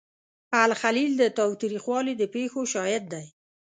الخلیل د تاوتریخوالي د پیښو شاهد دی.